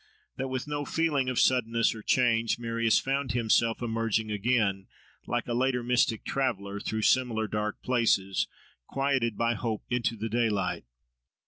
—that with no feeling of suddenness or change Marius found himself emerging again, like a later mystic traveller through similar dark places "quieted by hope," into the daylight.